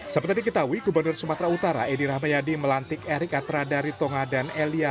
seperti yang kita tahu gubernur sumatera utara edi rahmayadi melantik erik atra dari tonga dan l i a